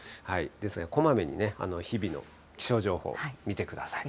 ですから、こまめに日々の気象情報を見てください。